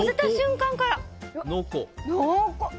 濃厚！